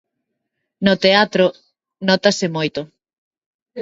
No teatro nótase moito.